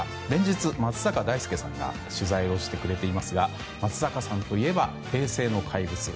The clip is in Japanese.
連日、松坂大輔さんが取材をしてくれていますが松坂さんといえば平成の怪物。